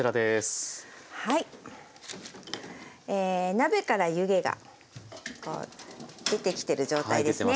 鍋から湯気がこう出てきてる状態ですね。